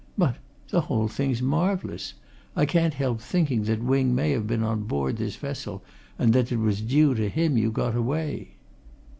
But the whole thing's marvellous! I can't help thinking that Wing may have been on board this vessel, and that it was due to him you got away."